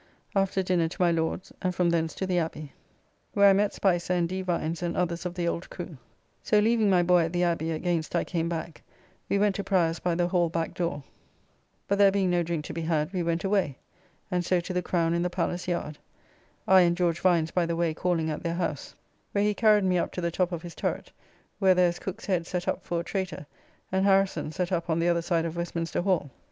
After dinner to my Lord's, and from thence to the Abbey, where I met Spicer and D. Vines and others of the old crew. So leaving my boy at the Abbey against I came back, we went to Prior's by the Hall back door, but there being no drink to be had we went away, and so to the Crown in the Palace Yard, I and George Vines by the way calling at their house, where he carried me up to the top of his turret, where there is Cooke's head set up for a traytor, and Harrison's set up on the other side of Westminster Hall.